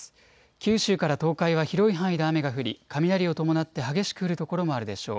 九州から東海は広い範囲で雨が降り雷を伴って激しく降る所もあるでしょう。